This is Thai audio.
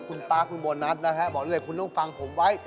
คุณป๊าคุณโบนัสนะฮะบอกได้เลยคุณนุ่งฟังผมไว้